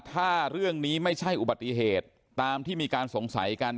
ถ้าเรื่องนี้ไม่ใช่อุบัติเหตุตามที่มีการสงสัยกัน